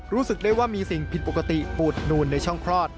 รู้สึกได้ว่ามีสิ่งผิดปกติปูดนูนในช่องคลอด